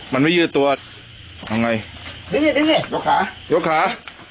มันไม่ยืดตัวเอาไงยกขายกขา